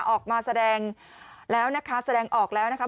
ออกมาแสดงแล้วนะคะแสดงออกแล้วนะคะ